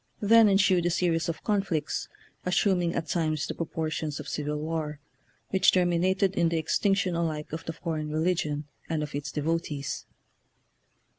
Then ensued a series of conflicts, assuming at times the proportions of civil war, which terminated in the extinction alike of the foreign religion and of its devotees.